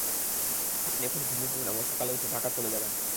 আপনি এখন ঘুমুবেন এবং সকালে উঠে ঢাকা চলে যাবেন।